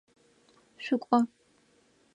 Шъукӏо!